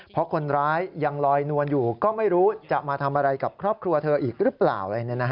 เพราะคนร้ายยังลอยนวลอยู่ก็ไม่รู้จะมาทำอะไรกับครอบครัวเธออีกหรือเปล่าอะไร